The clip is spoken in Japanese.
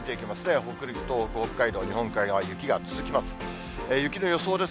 北陸、東北、北海道と日本海側、雪が続きます。